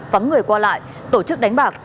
vắng người qua lại tổ chức đánh bạc